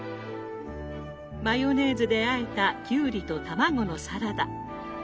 マヨネーズであえたきゅうりと卵のサラダ。